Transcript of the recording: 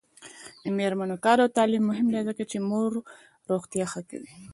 د میرمنو کار او تعلیم مهم دی ځکه چې مور روغتیا ښه کوي.